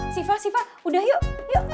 siva siva udah yuk